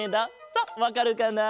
さあわかるかな？